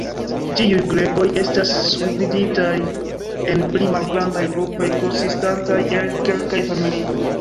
Tiuj gregoj estas subdividitaj en pli malgrandaj grupoj konsistantaj el kelkaj familioj.